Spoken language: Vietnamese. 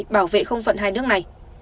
bảo vệ không phận hai nước này